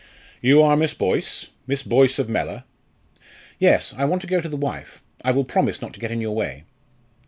"You are Miss Boyce? Miss Boyce of Mellor?" "Yes, I want to go to the wife; I will promise not to get in your way."